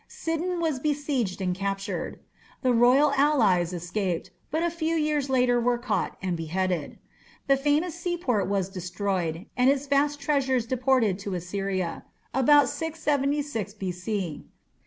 Sidon was besieged and captured; the royal allies escaped, but a few years later were caught and beheaded. The famous seaport was destroyed, and its vast treasures deported to Assyria (about 676 B.C).